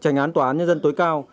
tranh án tòa nhân dân tối cao